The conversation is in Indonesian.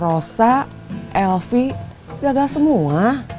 rosa elvi gagal semua